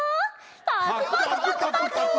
パクパクパクパク。